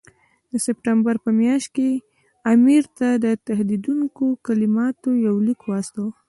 د سپټمبر په میاشت کې یې امیر ته د تهدیدوونکو کلماتو یو لیک واستاوه.